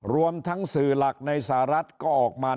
รวมทั้งสื่อหลักในสหรัฐก็ออกมา